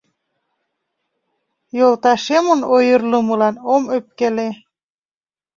Йолташемын ойырлымылан ом ӧпкеле: